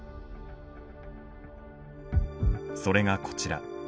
それがこちら。